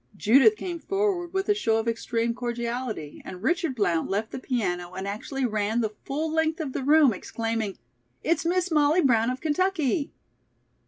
Judith came forward with a show of extreme cordiality and Richard Blount left the piano and actually ran the full length of the room, exclaiming: "It's Miss Molly Brown of Kentucky!"